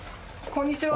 こんにちは。